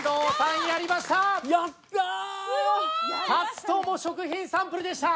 ２つとも食品サンプルでした。